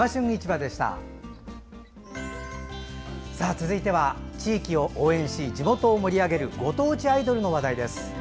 続いては地域を応援し、地元を盛り上げるご当地アイドルの話題です。